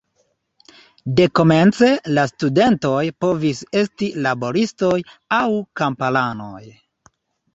Dekomence la studentoj povis esti laboristoj aŭ kamparanoj.